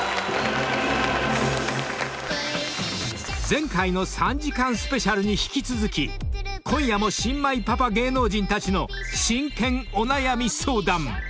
［前回の３時間ＳＰに引き続き今夜も新米パパ芸能人たちの真剣お悩み相談］